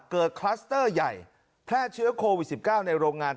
คลัสเตอร์ใหญ่แพร่เชื้อโควิด๑๙ในโรงงาน